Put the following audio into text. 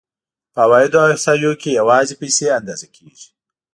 په عوایدو احصایو کې یوازې پیسې اندازه کېږي